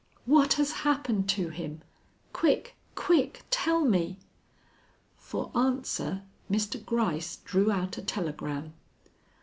"What has happened to him? Quick, quick, tell me!" For answer Mr. Gryce drew out a telegram.